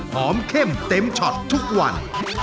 เข้มเต็มช็อตทุกวัน